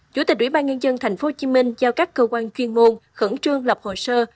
chủ tịch ủy ban nhân dân tp hcm giao các cơ quan chuyên môn khẩn trương lập hồ sơ